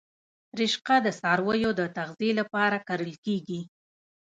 رشقه د څارویو د تغذیې لپاره کرل کیږي